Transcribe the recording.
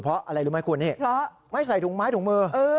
เพราะอะไรรู้ไหมคุณนี่เพราะไม่ใส่ถุงไม้ถุงมือ